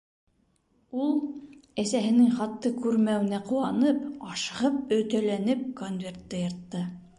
Ул, әсәһенең хатты күрмәүенә ҡыуанып, ашығып, өтәләнеп конвертты йыртты.